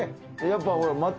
やっぱほら。